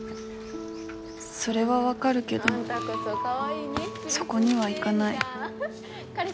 それは分かるけどそこには行かない